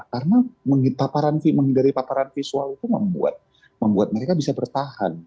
karena menghindari paparan visual itu membuat mereka bisa bertahan